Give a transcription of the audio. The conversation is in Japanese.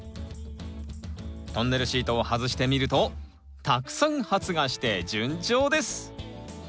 トンネルシートを外してみるとたくさん発芽して順調です！